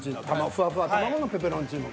ふわふわ卵のペペロンチーノ。